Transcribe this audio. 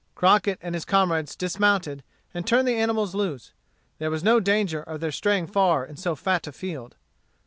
Crockett and his comrades dismounted, and turned the animals loose. There was no danger of their straying far in so fat a field.